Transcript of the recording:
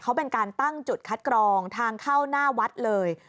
เขาเป็นการตั้งจุดคัดกรองทางเข้าหน้าวัดเลย